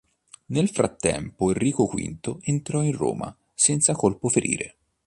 Nel frattempo Enrico V entrò in Roma senza colpo ferire.